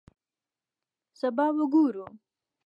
سبا به ګورو